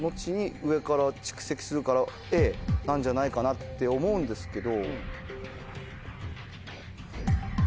なんじゃないかなって思うんですけど。